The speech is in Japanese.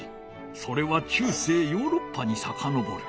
それはちゅうせいヨーロッパにさかのぼる。